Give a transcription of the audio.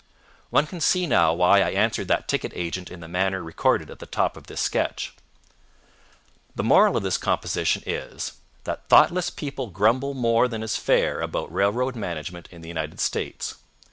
(One can see now why I answered that ticket agent in the manner recorded at the top of this sketch.) The moral of this composition is, that thoughtless people grumble more than is fair about railroad management in the United States.